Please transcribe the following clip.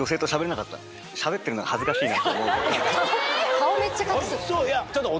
顔めっちゃ隠す。